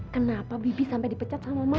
kenapa bibi sampai dipecat sama mama